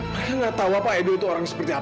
mereka gak tau apa edo itu orang seperti apa